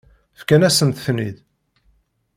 Fkan-asent-ten-id.